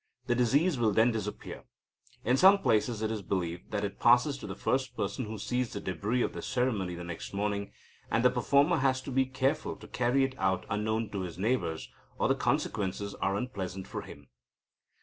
The disease will then disappear. In some places it is believed that it passes to the first person who sees the débris of the ceremony the next morning, and the performer has to be careful to carry it out unknown to his neighbours, or the consequences are unpleasant for him."